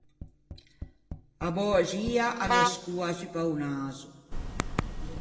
A böxia a ghe scoa zu pe-o naso.